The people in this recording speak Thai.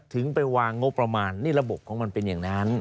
ถึงไปวางงบประมาณนี่ระบบของมันเป็นอย่างนั้น